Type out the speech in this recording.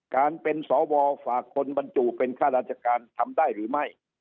การเป็นสวฝากคนบรรจุเป็นข้าราชการทำได้หรือไม่